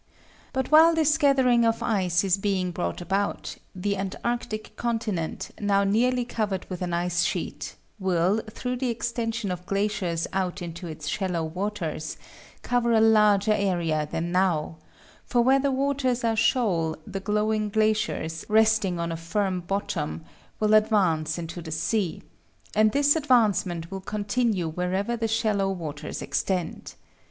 But while this gathering of ice is being brought about, the antarctic continent, now nearly covered with an ice sheet, will, through the extension of glaciers out into its shallow waters, cover a larger area than now; for where the waters are shoal the growing glaciers, resting on a firm bottom, will advance into the sea, and this advancement will continue wherever the shallow waters extend.